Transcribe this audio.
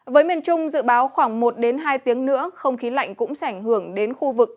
với miền trung dự báo khoảng một hai tiếng nữa không khí lạnh cũng sẽ ảnh hưởng đến khu vực